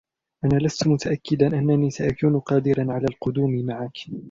أنا لست متأكّداً أنّني سأكون قادراً على القدوم معك